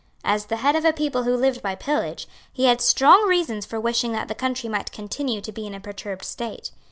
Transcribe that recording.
As the head of a people who lived by pillage, he had strong reasons for wishing that the country might continue to be in a perturbed state.